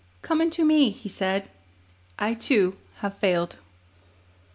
Come unto Me,' He said; 'I, too, have failed.